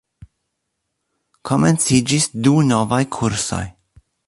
Komenciĝis du novaj kursoj.